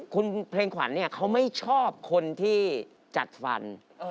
คุณเพลงขวัญเนี่ยเขาไม่ชอบคนที่จัดฟัน